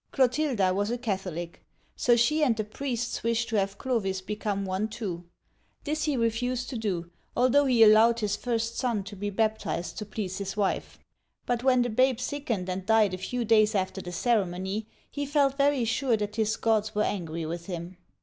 Clotilda was a Catholic ; so she and the priests wished to have Clovis become one, too. . This he refused to do, al though he allowed his first son to be baptized to please uigiTizea Dy vjiOOQlC so OLD FRANCE his wife. But when the babe sickened and died a few days after the ceremony, he felt very sure that his gods were angry with him.